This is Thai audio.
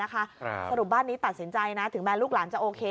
สรุปบ้านนี้ตัดสินใจนะถึงแม้ลูกหลานจะโอเค